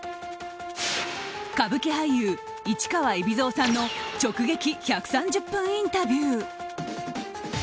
歌舞伎俳優・市川海老蔵さんの直撃１３０分インタビュー。